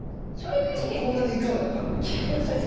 どこまでいかなあかんねんっていう話やけど。